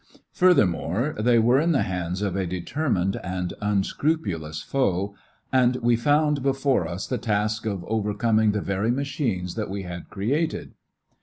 Furthermore they were in the hands of a determined and unscrupulous foe, and we found before us the task of overcoming the very machines that we had created.